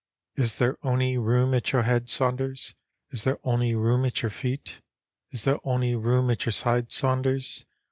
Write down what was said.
" Is there ony room at your head, Saunders? Is there ony room at your feet? Is there ony room at your side, Saunders?